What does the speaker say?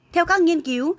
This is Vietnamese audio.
theo các nghiên cứu